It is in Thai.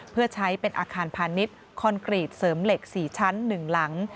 เพื่อใช้เป็นอาคารพาณิชย์คอนกรีตเสริมเหล็ก๔ชั้น๑หลัง